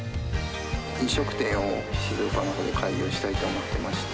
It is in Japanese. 飲食店を静岡のほうで開業したいと思ってまして。